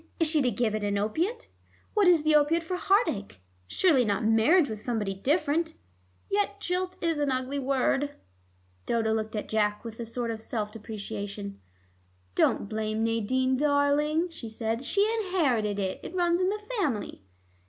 Is she to give it an opiate? What is the opiate for heart ache? Surely not marriage with somebody different. Yet jilt is an ugly word." Dodo looked at Jack with a sort of self deprecation. "Don't blame Nadine, darling," she said. "She inherited it; it runs in the family."